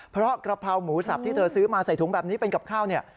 เพราะกระเพราหมูสับที่เธอซื้อมาใส่ถุงแบบนี้เป็นกับข้าวเนี่ย